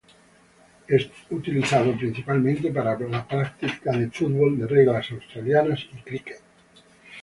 Es utilizado principalmente para la práctica del fútbol de reglas australianas y cricket.